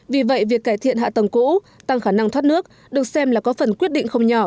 vì vậy việc cải thiện hạ tầng cũ tăng khả năng thoát nước được xem là có phần quyết định không nhỏ